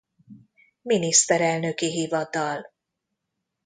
Miniszterelnöki Hivatal